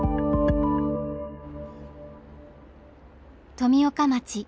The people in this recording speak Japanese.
富岡町。